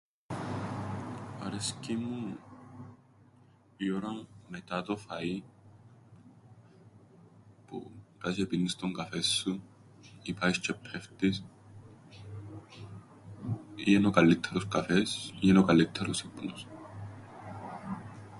Αρέσκει μου η ΄ωρα μετά το φαΐν, που κάθεσαι τζ̆αι πίννεις τον καφέ σου ή τζ̆αι πάεις τζ̆αι ππέφτεις. Ή εν' ο καλλύττερος καφές ή εν' ο καλλύττερος ύπνος.